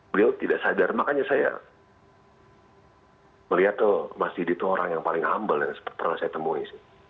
beliau tidak sadar makanya saya melihat tuh mas didi itu orang yang paling humble yang pernah saya temui sih